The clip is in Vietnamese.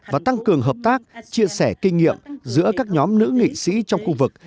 và tăng cường hợp tác chia sẻ kinh nghiệm giữa các nhóm nữ nghị sĩ trong khu vực